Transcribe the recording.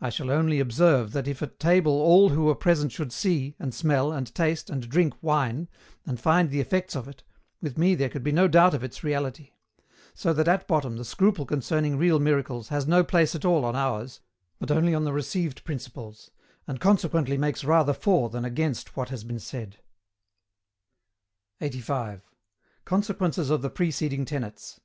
I shall only observe that if at table all who were present should see, and smell, and taste, and drink wine, and find the effects of it, with me there could be no doubt of its reality; so that at bottom the scruple concerning real miracles has no place at all on ours, but only on the received principles, and consequently makes rather for than against what has been said. 85. CONSEQUENCES OF THE PRECEDING TENETS.